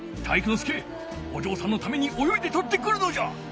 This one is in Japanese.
介おじょうさんのために泳いで取ってくるのじゃ！